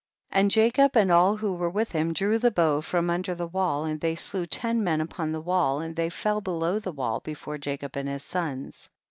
36. And Jacob and all who were with him drew the bow from under the wall, and they slew ten men upon the wall, and they fell below the wall, before Jacob and his sons.